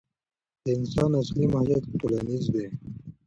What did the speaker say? د انسان اصلي ماهیت ټولنیز دی.